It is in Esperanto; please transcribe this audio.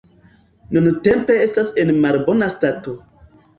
Nuntempe estas en malbona stato.